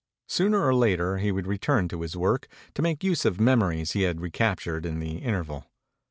Sooner or later he would return to his work to make use of memories he had recaptured in the interval.